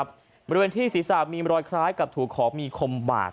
บริเวณที่ศรีศาสตร์มีแม่รอยคล้ายกับถูกขอบมีคมบาด